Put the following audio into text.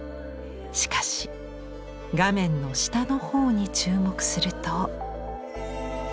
しかし画面の下の方に注目すると。